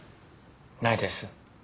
ないです。